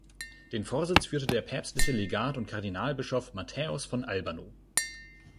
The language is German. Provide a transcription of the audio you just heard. Den Vorsitz führte der päpstliche Legat und Kardinalbischof Matthäus von Albano.